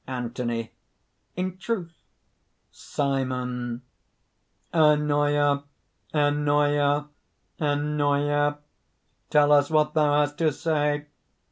ANTHONY. "In truth?" SIMON. "Ennoia; Ennoia! Ennoia! tell us what thou hast to say!"